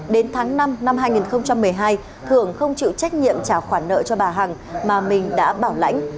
đến tháng năm năm hai nghìn một mươi hai thượng không chịu trách nhiệm trả khoản nợ cho bà hằng mà mình đã bảo lãnh